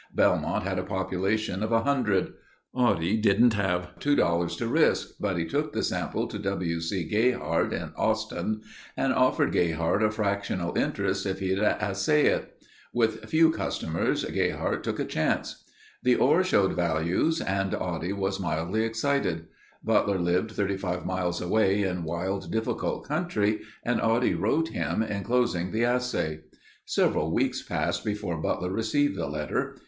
Belmont had a population of 100. Oddie didn't have two dollars to risk, but he took the sample to W. C. Gayhart at Austin and offered Gayhart a fractional interest if he'd assay it. With few customers, Gayhart took a chance. The ore showed values and Oddie was mildly excited. Butler lived 35 miles away in wild, difficult country and Oddie wrote him, enclosing the assay. Several weeks passed before Butler received the letter.